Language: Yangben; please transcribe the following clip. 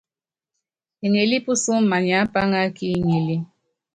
Eŋelí pusɔm maniápáŋá kí ŋili.